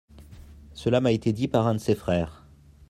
Cela m’a été dit par un de ses frères.